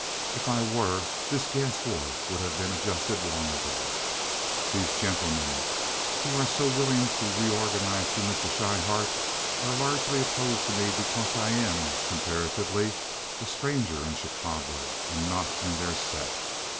If I were this gas war would have been adjusted long ago. These gentlemen who are so willing to reorganize through Mr. Schryhart are largely opposed to me because I am—comparatively—a stranger in Chicago and not in their set.